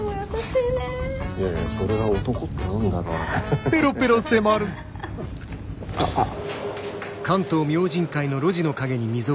いやいやそれが漢ってもんだろハハハ。